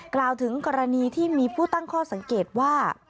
กล่าวถึงกรณีที่มีผู้ตั้งข้อสังเกตว่า